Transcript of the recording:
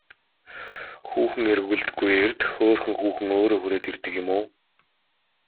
Хүүхэн эргүүлдэггүй эрд хөөрхөн хүүхэн өөрөө хүрээд ирдэг юм уу?